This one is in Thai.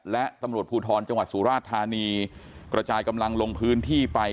และตำรวจภูทรจังหวัดสุราชธานีกระจายกำลังลงพื้นที่ไป